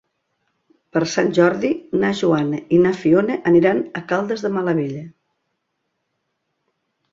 Per Sant Jordi na Joana i na Fiona aniran a Caldes de Malavella.